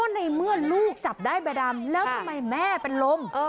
ในเมื่อลูกจับได้ใบดำแล้วทำไมแม่เป็นลม